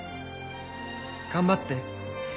頑張って。